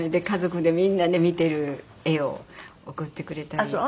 家族でみんなで見てる画を送ってくれたり。